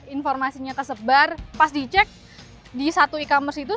informasinya tersebar pas dicek di satu e commerce itu